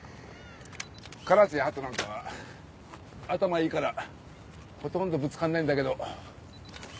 カラスやハトなんかは頭いいからほとんどぶつかんないんだけど。